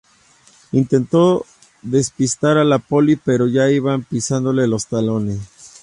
Intentó despistar a la poli pero ya iban pisándole los talones